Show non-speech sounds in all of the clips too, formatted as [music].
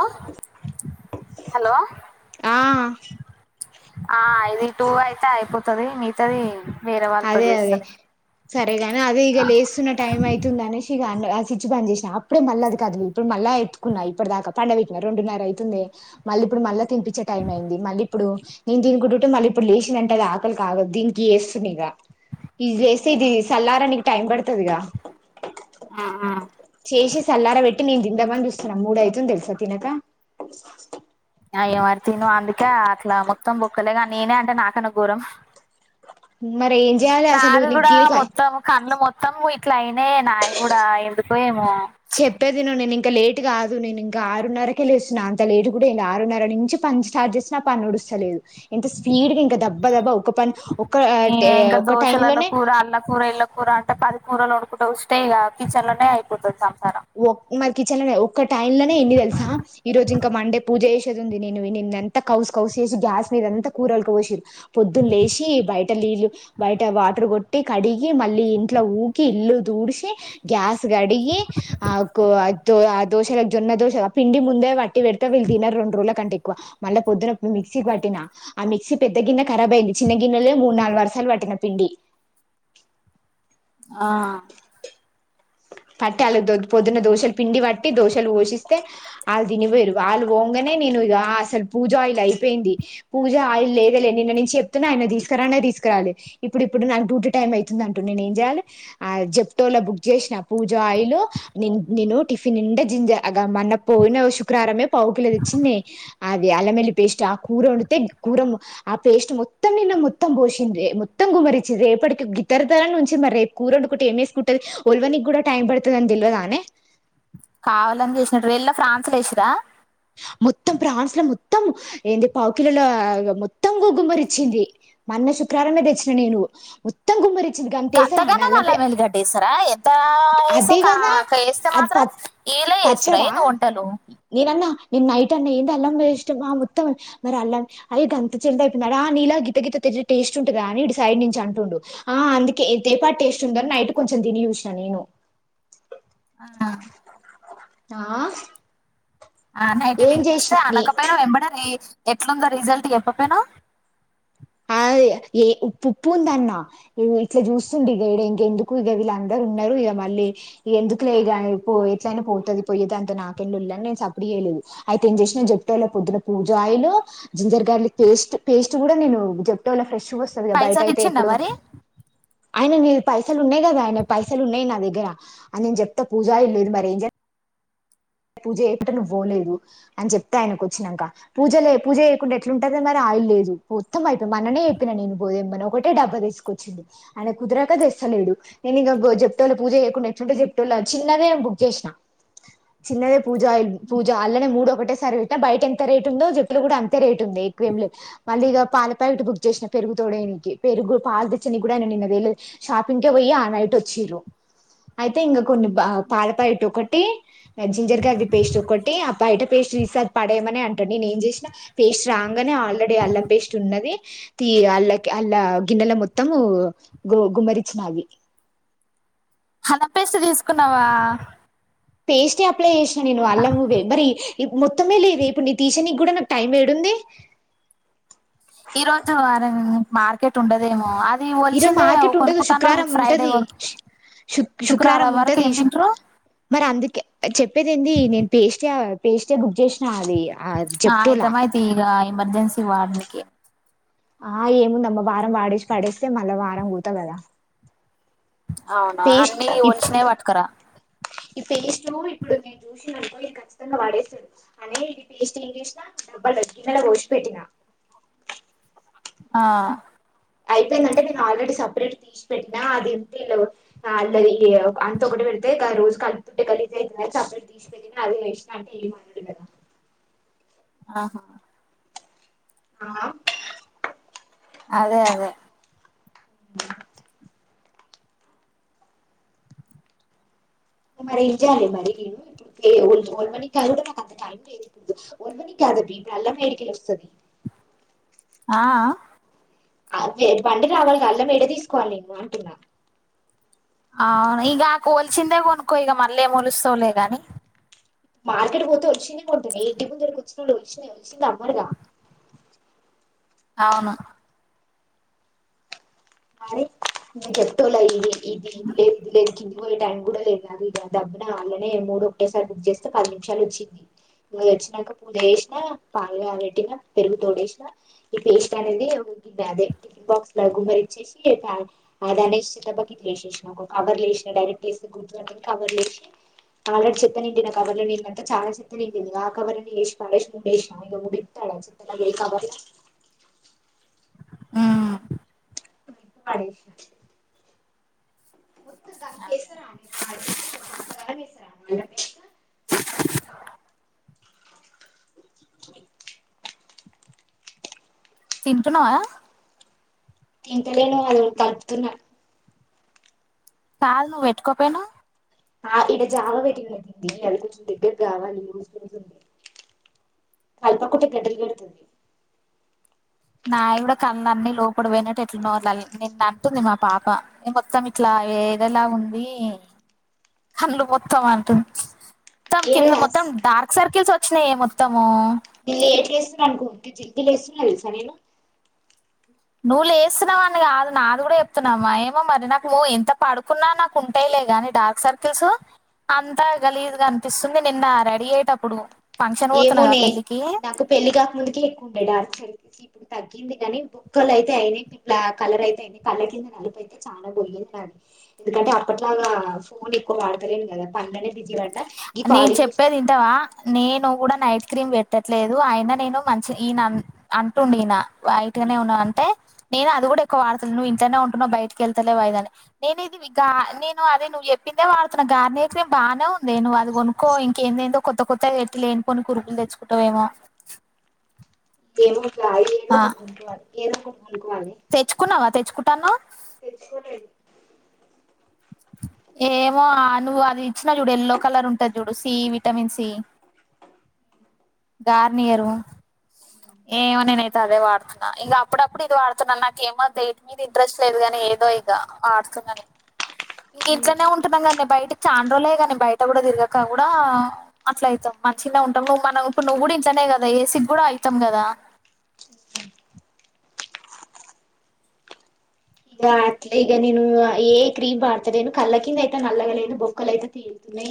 ఆ హలో ఆ ఆ [unintelligible] టూ అయితే అయిపోతుది మిగతాది వేరే వాళ్ళతో అదే అదే చేస్తలే సరేగాని అదే ఇక లేస్తున్న టైమ్ అయితుంది అనేేష్ఇగ ఆ సిట్ పని చేసినా అప్పుడే మళ్ళది కాదు ఇప్పుడు మళ్ళా ఎత్తుకున్నాయి ఇప్పుడు దాకా పండగ పెట్న రెండున్నర అయితుంది మళ్ళీ ఇప్పుడు మళ తిపించే టైం అయింది మళ్ళీ ఇప్పుడు నేను తికుంటుంటే మళ్ళీ ఇప్పుడు లేచినంట అది ఆకలి కాదు దీనికి ఇది చేస్తే ఇది సల్లారానికినికి టైం పడుతుదిగా ఆ ఆ [unintelligible] నా మూడు ఐతుంది తెల్సా తినక ను్వు అందుకే అట్లా మొత్తం బొక్కలేగా నేనే అంటే నాకన్న గోరం మరి ఏం చేయాలి అసలు నాది నీకు కూడ తీరిక మొత్తం కళ్ళు మొత్తం ఇట్లయినే నాయి కూడ ఎందుకో ఏ చెప్పేది ఇను ఇంక లేట్ కాదు నేను ఇం ఆరున్నరకే లేేస్తున్నా అంత లేట్టు కూడా ఇ ఆరున్నర నుంచి పని స్టార్ట్ చేసిన [unintelligible] లే లేదు ఇంత స్పీడ్ గ ఈ ఇంకా ఒక టైమ్ దోశలలో లోనే కూర అల్ల కూర ఇల్ల కూర అంటే పది కూరలుడు స్టే కిచన్ లోనే అయిపోతది [unintelligible] [unintelligible] ఒక్క టైమ్ లోనే ఇన్ని తెలుసా ఈ రోజు ఇంకా మండే పూజ చేసేది ఉంది నేను నిన్న అంతా కౌసు కౌసు గ్యాస్ మీద అంత కూర పోసిరు పొద్దున్న లేసి బయట నీళ్లు బయట వాటర్ కొట్టి కడిగి మళ్ళీ ఇంట్లో ఊకి ఇల్లు తూడిసి గ్యాస్ గడిగి ఆ ఆ దోశలకు జొన్న దోశ పిండి ముందే వట్టి పెడితే వీళ్ళు తినారు రెండు రోజుల కంటే ఎక్కువ మళ్ళా పొద్దున్న మిక్సీకి పట్టినా ఆ మిక్సీ పెద్ద గిన్నె కరాబ్ అయింది చిన్న గిన్నెలో మూడు నాలుగు వరుసలు పట్టిన పిండి ఆ [inaudible] పట్టి వాళ్ళ పొద్దున్న దోశలు పిండి పట్టి దోశలు పోషిస్తే వాళ్ళ తినిపోయారు వాళ్ళు పోగానే నేను అసలు పూజ ఆయిల్ అయిపోయింది పూజ ఆయిల్ లేదలే నిన్న నుంచి చెప్తున్నా ఆయన తీసుకురానే తీసుకురా ఇప్పుప్పుడు నాకు డ్యూటీ టైం అవుతుంది అంటుండు నేనేం చేయాలే జప్టోల్ల బు చేసిన పూజ ఆయిలు ని నేను టిఫిన్ నిండే జింజ మన్న పోయిన శుక్రవారమే పావుకిలో తెచ్చిన్నే అది అల్లం ఎల్లి పేస్ట్ ఆ కూర వండితే కూర ఆ పేస్ట్ మొత్తం నిన్న మొత్తం పోసిందే మొత్తం గుమ్మరిచ్చి రేపటికి గిత్తత్త నాన్న ఉంచి మరి రేపు కూర వండుకుంటే ఏమేసుకుంటుది వోల్వనికి కూడా టైమ్ పడుతదని తెలవదానే కావాలని చేసినట్ ఏళ్ళ ఫ్రాన్స్ల ఏసిర్రా మొత్తం ప్రాన్స్ల మొత్తం ఏంది పావుకిలోల మొత్తం గుమ్మరిచ్చింది మన శుక్రవారంమే తెచ్చిన నేను మొత్తం గుమ్మరిఇచ్చింది గంతేస్తారని గంతగానే అల్లం నల్ల పే ఎల్లిగడ్డ వేస్తారా ఎంత వేస్తే అదే కా గదా క- వేస్తే అది ప మాత్రం ఏలే వేస్తురా పచ్చడా ఏంది వంటలు నేనన్నా నేను నైట్ అన్న ఏంది అల్లం ఇష్టం ఆ మొత్తం మరి అల్లం అయి గంత చల్ అయిపోయిందా రా ఆ నీలా గిత్త గిత్త టేస్ట్ ఉంటదా అని ఇటు సైడ్ నుంచి అంటుడు ఆ అందుకే ఏ పాటి టేస్ట్ ఉందఅని నైటు కొంచెం తిని చు నేను ఆ ఆ ఆ నైట్ ఏం తిని చూస్తే చేసిన నీ అనకపోయినా ఎంబడే ఎట్లుందో రిజల్ట్ చెప్పపోయినావు ఆ ఏ ఉప్పు ఉప్పు ఉందన్న ఇట్లా చూస్తుంది ఇగా ఇంకా ఇంకెందుకు ఇగా వీళ్ళందరూ ఉన్నారు ఇగ మళ్ళీ ఎందుకు లేగాని ఎట్లయినా పోతది పోయే దాంతో నాకేం లొల్లి అని నేను సప్పుడు చేయలేదు అయితే ఏం చేసిన జప్టాల పొద్ననా పూజ oil ginger garlic paste paste కూడా నేను జఫ్టోలో ఫ్రెష్గా వస్తుంది కదా బయట పైసలు అయితే ఇచ్చిందా ఎప్పుడు మరి ఆయన నే పైసలు ఉన్నాయి కదా ఆయన పైసలు ఉన్నాయి నా దగ్గర అ నేను చెప్తా పూజా ఆయిల్ లేదు మరి ఏం చె పూజ చెయ్యకుంటే నువ్వు పోలేవు అని చెప్తే ఆయనకు వచ్చినంక పూజలు పూజ చేయకుంటే ఎట్లుంటంది మరి లేదు మొత్తం అయిపోయి మొన్ననే చెప్పిన నేను పోదేమని ఒకటే డబ్బా తీసుకొచ్చిండు ఆయనకు కుదరక తెస్తాల లేడు నేను ఇగా జప్టోల పూజ చేయకుండా ఎట్లుంట జప్టోలా చిన్నదే బుక్ చేసిన [inaudible] చిన్నదే పూజ ఆయిల్ పూజ అలానే మూడు సర్విట్ల బయట ఎంత రేట్ ఉందో జట్లు కూడా అంతే రేట్ ఉంది ఎక్కువ ఏం లేదు మళ్ళీ ఇగా పాల ప్యాకెట్ బుక్ చేసిన పెరుగు తోడయ్యనీకి పెరుగు పాలు తెచ్చని కూడా నిన్న తేలేదు షాపింగ్కే పోయి ఆ నైట్ వచ్చిర్రు అయితే ఇంగా కొన్ని బ పాల ప్యాకెట్ ఒకటి జింజర్ గార్లిక్ పేస్ట్ ఒకట్టి ఆ బయట పేస్ట్ చూస్తే పడేమని అంటాడు నేనేం చేసిన పేస్ట్ రాగానే ఆల్రెడీ అల్లం పేస్ట్ ఉన్నది అల్ అల్లా గిన్నెల మొత్తంమ్ గుమ్మరిచ్చిన అవి అల్లం పేస్టు తీసుకున్నవా పేస్టె అప్లై చేసినా నేను అల్ల్వే మరి మొత్తమే లేదే ఇప్పుడు ని తీశానికి కూడా నాకు టైం ఏడుంది ఈ రోజు వారం మార్కెట్ ఉండదేమో అది ఈరోజు ఒలిచిందే మార్కెట్ ఉంటది కొనుక్కుంటాను శుక్రారం ఫ్రైడే ఉంటది వరకు శు శుక్రారం శుక్రవారం వరకు ఉంటది ఏం తింటారు మరి అందుకే చెప్పేది ఏంది నేను పేస్టే వేస్తే బుక్ చేసినదిగా ఆ ఆయతమ్మాయితే ఈగ ఎమర్జెన్సీ వార్డుకి ఆ ఏముందమ్మ వారం వాడిసి పడేస్తే మళ్ళా వారం కూతా కదా అవునా పేస్ట్ అన్ని ఈ ఒలిచినవి పట్టుకురా పేస్ట్ ఇప్పుడు [unintelligible] వాడేస్తాడు అనే ఇది పేస్ట్ ఏం చేసినా డబ్బలుల గిన్నెల పోసిప పెట్టినా ఆ అయిపోయిందంటే నేను ఆల్రెడీ సపరేట్ తీసి పెట్టినా అదేంటి ఇ అళ్ళ అంత కూడాటిళ్ళ అయితే ఇ రోజు కలిపుట్ట కలిలీజ అవుతుందిన్నారు చప్పలిలు తీసుకెళ్ళిన అదిేసినా అంటే ఏమి అన్నాడు కదా ఆహా ఆ అదే అదే [inaudible] మరి ఏం చేయాలి మరి నేను ఇప్పుడు మనీ కాదు కూడా మాకు అంత టైం లే మ కా [unintelligible] ఆ బండి రావాలి కళ్ళ వేడే తీసుకోవాలిేను అంటున్నా అవును ఇక కోల్చిందే కొనుక్క ఇక మళ్ళీమలుస్తోలే గాని మార్కెట్కి పోతే వచ్చినయి కొంటుంది ఎయింటి ముందు కూరనప్పుడు వచ్చినాయి వచ్చిందిమ్మడుదా అవును మ న చెప్తల ఇది ఇది ఇది లే దలేకి పోయే టైం కూడా లేదు కాదు ఇ దడబ్బన అళ్ళనే మూడు ఒకేసారి బుక్ చేస్తే పది నిమిషాలు వచ్చింది ఇ వచ్చినాక పూజ చేసినా పాలు పెట్టిన పెరుగు తోడ వేసినా ఈ పేస్ట్ అనేది టిఫిన్ బాక్స్ లాగ మరి కవర్ డైరెక్ట్ గుర్తు కవర్ లేసి [unintelligible] ఆల్రెడీ చెప్ప నిండి నా కవర్లు నీలాంత తా చాల చెత్త నిండింది ఆ కవర్ని వేేూ వేసిిన ఇడి ఇస్త వే కాబర ఆ సడి [inaudible] [unintelligible] తింటున్నావా? తిన్తలేను అది తపుతున్నా కాదు నువ్వు పెట్టుకోపోయినువ్ ఆ ఇక్కడ జామ పెటి అయితుంది అది కొంచెం దగ్గర కావాలి రోజు రోజు ఉంది కల్ప కుట గెడలు గడుతుంది నాయ కూడా కూడా కళ్ళల అన్ని లోపడు పోయినట్టు ఎట్లా నో నిన్ను అంటుంది మా పాప మొత్తం ఇట్లా ఏదలా ఉంది కళ్ళు హ స్తాం అంటుంది మొత్తం ఏ కింద మొత్తం డార్క్ సర్కిల్స్ వచ్చినాయ మొత్తము లేట్ లేసినం వస్తున్నారు అనుకో జి లే వేస్తున్నా తెలుసా నేను నువ్వు లేస్తున్నావ అని కాదు నాది కూడా చెప్తున్నామా ఏమో మరి నాకు నువ్వు ఎంత పడుకున్నా నాకు ఉంటే గాని డార్క్ సర్కిల్స్ అంతా గలీజుగా అనిపిస్తుంది నిన్న రెడీ అయ్యేటప్పుడు ఫంక్షన్ పోతున్నాగా ఏమోనే పెళ్ళికి నాకు పెళ్లి కాకముందుక ఎక్కువ ఉండే డాన్ల్ ఇ ఇప్పుడు తగ్గింది గాని బుక్కలు అయితే అయినాయి ఇట్లా కలర్ అయితే అయినా కళ కింద నలుపుైతే చాలా పోయింది. ఎందుకంటే అప్పట్లాగా ఫోన్ ఎక్కువ వాడతలేను కదా పనునే బిజీ పడ్డా ఈ నేను కాలింగ్ చేసి చెప్పేది ఇంటవా నేను కూడా నైట్ క్రీమ్ పెట్టట్లేదు అయిన నేను మంచి ఈయన అంటుం ఈయన వైట్గానే ఉన్నాంటే నేను అది కూడా ఎక్కువ వాడతా నువ్వు ఇంట్లనే నెట్ ఉంటున్నావు బయటికిళ్తా వాయిదని నేనే ఇది నే అదే నువ్ చె [inaudible] నేను అది కొనుక్క ఇంకేనదేందో దో కొత్త కొత్త ఎట్టి లేనిపోని కురుకులు తెచ్చుకుంటావేమో [inaudible] ఆ [unintelligible] తెచ్చుకున్నావా తెచ్చుకుంటానవు తెచ్చుకుంట ఏమో నువ్వు అది ఇచ్చిన చూడు యేల్లో కలర్ ఉంటది చూడు సి విటమిన్ సి [inaudible] గార్నియర్ ఏమో నేనైతే అదే వాడుతున్నా ఇంక అప్పుడప్పుడు ఇది వాడుతున్నాను నాకేమేటి మీద ఇంట్రెస్ట్ లేదు గాని ఏదో ఇక ఆడుతుంద ఇంక ఇంట్లోనే ఉంటునా కడా బయటి చాండ్రోలే కా గాని బయట కూడా తిరగక కూడా అట్లా అవుతాం మంచిగా ఉంటాం నువ్వు మనం ఇప్పుడు నువ్వు కూడా ఇట్లానే కదా ఏసి కూడా అయితాం కదా ఇగా అట్లే ఈక నేను ఏ క్రీమ్ వాడతలేను కళ్ళ కింద అయితా నల్లగలయింది బొక్కలు అయితే తతుంది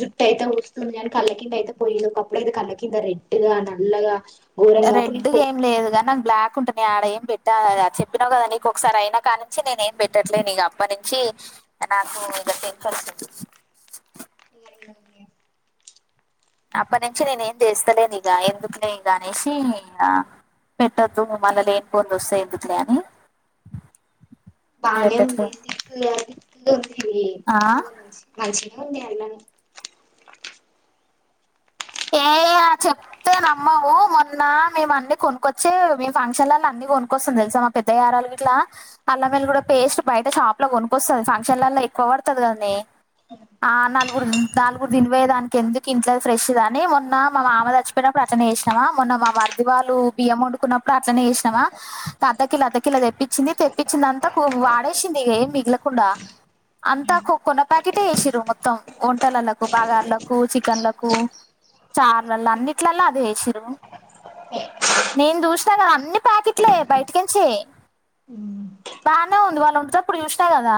జుట్టు అయితే వస్తుంది అని కళ్ళ కింద అయితే పోయిను ఒకప్పుడ అయితే కళ్ళ కింద రెడ్గా నల్లగా ఘోరంగా అప్పుడు రెడ్ గా నేను ఏం లేదుగానీ నాకు బ్లాక్ ఉంటు నే ఆడ ఏం పెట్టా చెప్పినావు కదా నీకు ఒకసారి అయినా కా నుంచి నేను ఏం పెట్టట్లేదు ఇగ అప్పటి నుంచి నాకు [unintelligible] అప్పటినుంచి నేను ఏం చేస్తలేను ఇక ఎందుకులే ఇగ అనేసి ఆ పెట్టొద్దు మల్ల లేని పొంది వస్తయి ఎందుకులే అని బానే ఉంది పెట్టట్లేదు లో బి ఆ పి ఉంది [unintelligible] మంచిగా [unintelligible] [unintelligible] చెప్తే నమ్మము మొన్న మేము అన్ని కొనుక్కొచ్చి మే ఫంక్షన్లలో అన్ని కొనుక్కొస్తాం తెలుసా పెద్ద ఎరాల ఇట్లా అల్ల మద కూడా పేస్ట్ బయట షాప్ లో కొనుక్కొస్తంది ఫంక్షన్లలా ఎక్కువ పడుతుది కదనే నాలుగురు తిని పోయే దానికి ఎందుకు ఇంట్లో ఫ్రెష్ అని మొన్న మా మామ చచ్చిపోయినప్పుడు అట్లనే కి మొన్న మా మరీది వాళ్ళు బియ్యం వండుకున్నప్పుడు అట్లనే చేసినమా అద్దకిలో అర్ద కిలా తెప్పించింది తెప్పించింది అంతా వాడేసింది ఏం మిగలకుండా అంతా కొన్న ప్యాకెట్లే చేస్తిర్రు మొత్తం వంటలలకు బగార్లకు చికెన్లకు చార్లలో అన్నిట్లలా అదే ఏసిలు నేను చూసినా కదా అన్ని ప్యాకెట్లే బయటికించి బానే ఉంది వాళ్ళు వంటేటప్పుడు చూసిన కదా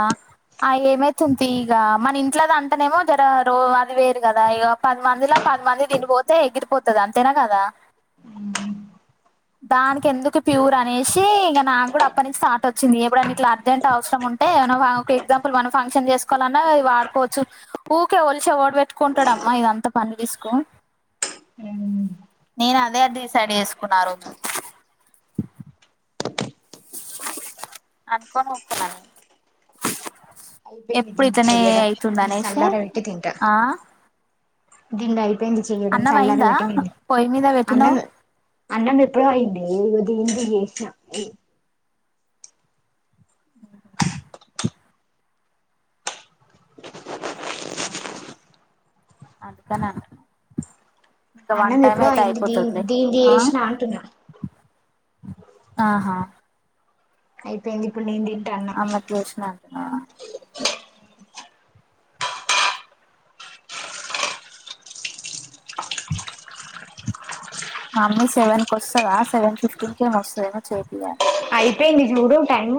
ఆ ఏమైతుంది తీయి ఇక మన ఇంట్లోది అంటనేమో జర రో అది వేరు కదా ఇక పది మందిలా పది మంది దీని పోతే ఎగిరిపోతుది అంతేనా కదా దానికి ఎందుకు ప్యూర్ అనేసి ఇంక నాకు కూడా అప్పటి నుంచి థాట్ వచ్చింది ఏప్పుడన్ని ఇతల అర్జెంట్ అవసరం ఉంటే అంటే ఒక ఎగ్జాంపుల్ మనం ఫంక్షన్ చేసుకోవాలన్నావి వాడుకోవచ్చు ఊకే ఒలిసి ఏవడు పెట్టుకుంటాడు అమ్ ఇదంతా పని తీసుకో అ నేను అదే అ డిసైడ్ చేసుకున్నా ఆరోజు అనుకూని [unintelligible] అయిపోయింది ఎప్పుడు దీన్ని ఇట్లనే చెయ్యడం అవుతుంది ఇది అనేసి చల్లార ఆ గిన్నయి అయిపోయింది చేయడం అన్నం చలర అయిందా పెట్టిన పొయ్యి మీద అన్నం పెట్టినవ్ అన్నం ఎప్పుడో అయింది [unintelligible] అదే అదే అందుకనే అంటున్న ఇంకా వన్ అన్నం టైమ్ ఎప్పుడో అయితే అయింది దీని అయిపోతదిలే దీనిది ఆ చేసిన అంటున్నా ఆహా అయిపోయింది ఇప్పుడు నేను అన్నం ఆమధ్య [unintelligible] అంటనా మమ్మీ సెవెన్ కొస్తదా సెవెన్ ఫిఫ్టీన్ కి ఏమో వస్తదేమో చేపియ్యాలి అయిపోయింది చూడు టైం